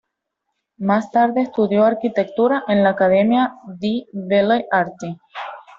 Más tarde estudió arquitectura en la Accademia di Belle Arti.